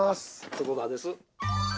外田です。